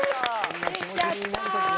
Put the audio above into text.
できちゃった！